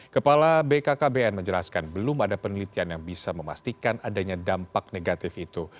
kepala bkkbn menjelaskan belum ada penelitian yang bisa memastikan adanya dampak negatif itu